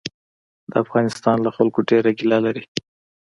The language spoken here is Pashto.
د افغانستان له خلکو ډېره ګیله لري.